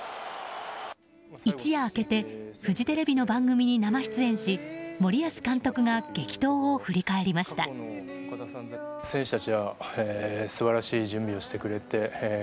一夜明けてフジテレビの番組に生出演し森保監督が激闘を振り返りました。